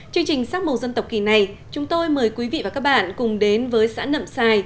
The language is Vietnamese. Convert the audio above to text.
chương trình sắc màu dân tộc kỳ này chúng tôi mời quý vị và các bạn cùng đến với xã nậm xài